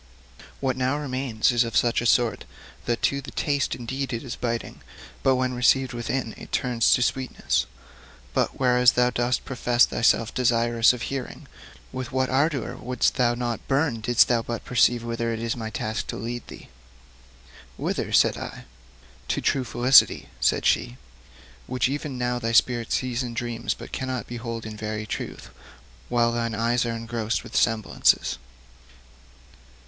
What now remains is of such sort that to the taste indeed it is biting, but when received within it turns to sweetness. But whereas thou dost profess thyself desirous of hearing, with what ardour wouldst thou not burn didst thou but perceive whither it is my task to lead thee!' 'Whither?' said I. 'To true felicity,' said she, 'which even now thy spirit sees in dreams, but cannot behold in very truth, while thine eyes are engrossed with semblances.'